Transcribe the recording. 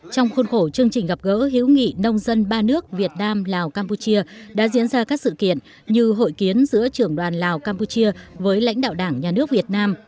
trong khuôn khổ chương trình gặp gỡ hữu nghị nông dân ba nước việt nam lào campuchia đã diễn ra các sự kiện như hội kiến giữa trưởng đoàn lào campuchia với lãnh đạo đảng nhà nước việt nam